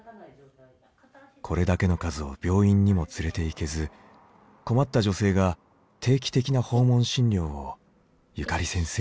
これだけの数を病院にも連れて行けず困った女性が定期的な訪問診療をゆかり先生にお願いしたのです。